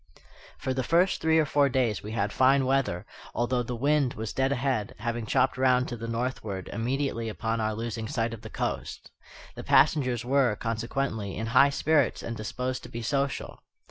For the first three or four days we had fine weather, although the wind was dead ahead, having chopped round to the northward immediately upon our losing sight of the coast. The passengers were, consequently, in high spirits and disposed to be social.